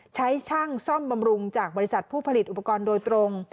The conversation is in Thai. ช่างซ่อมบำรุงจากบริษัทผู้ผลิตอุปกรณ์โดยตรง